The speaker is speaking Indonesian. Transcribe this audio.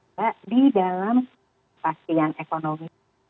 mbak di dalam kepastian ekonomi